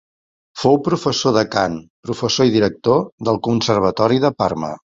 Fou professor de cant professor i director del conservatori de Parma.